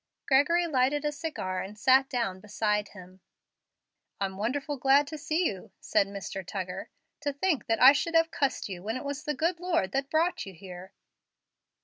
Gregory lighted a cigar and sat down beside him. "I'm wonderful glad to see you," said Mr. Tuggar. "To think that I should have cussed you when it was the good Lord that brought you here!"